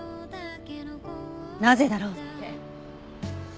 なぜだろうって。